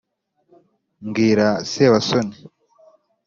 Mbwira Sebasoni